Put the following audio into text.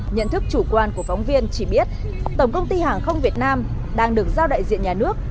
nhận thức chủ quan của phóng viên chỉ biết tổng công ty hàng không việt nam đang được giao đại diện nhà nước